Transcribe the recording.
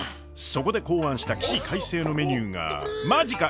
そこで考案した起死回生のメニューがまじか？